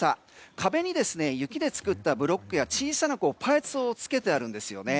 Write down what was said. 壁に雪で作ったブロックや小さなパーツをつけてあるんですね。